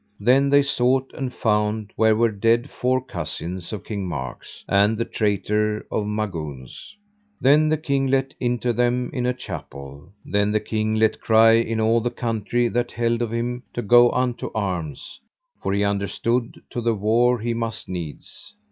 Then they sought and found where were dead four cousins of King Mark's, and the traitor of Magouns. Then the king let inter them in a chapel. Then the king let cry in all the country that held of him, to go unto arms, for he understood to the war he must needs.